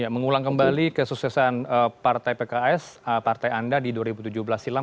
mengulang kembali kesuksesan partai pks partai anda di dua ribu tujuh belas silam